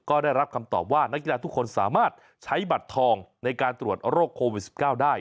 ก็ได้รับคำตอบว่านักกีฬาทุกคนสามารถใช้บัตรทองในการตรวจโรคโควิด๑๙ได้